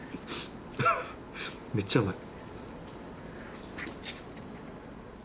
めっちゃうまい。